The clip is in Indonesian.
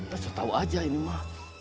terserah tahu aja ini ma